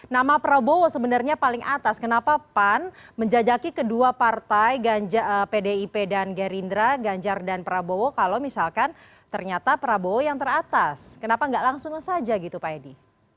nama prabowo sebenarnya paling atas kenapa pan menjajaki kedua partai pdip dan gerindra ganjar dan prabowo kalau misalkan ternyata prabowo yang teratas kenapa nggak langsung saja gitu pak edi